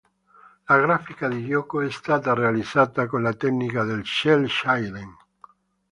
La grafica di gioco è stata realizzata con la tecnica del cel-shading.